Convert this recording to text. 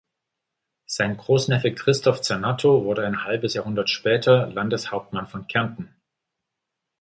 Sein Großneffe Christof Zernatto wurde ein halbes Jahrhundert später Landeshauptmann von Kärnten.